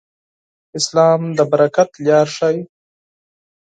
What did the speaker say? اسلام د برکت لار ښيي.